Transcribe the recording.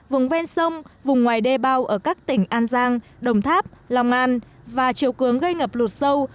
vùng ven sông vùng ngoài đê bao ở các tỉnh an giang đồng tháp lòng an và chiều cường gây ngập lụt sâu